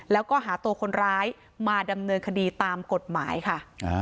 แล้วก็หาตัวคนร้ายมาดำเนินคดีตามกฎหมายค่ะ